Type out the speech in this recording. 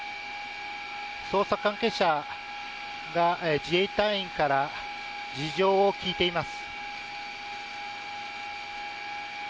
捜査関係者が自衛隊員から事情を聴いています。